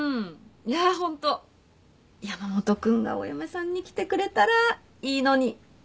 いやホント山本君がお嫁さんに来てくれたらいいのに。